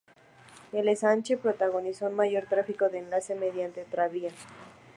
El ensanche protagonizó un mayor tráfico de enlace mediante tranvía.